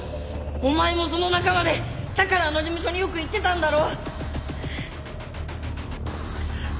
お前もその仲間でだからあの事務所によく行ってたんだろ！？